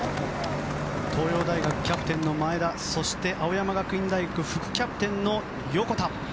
東洋大学キャプテンの前田そして青山学院大学副キャプテンの横田。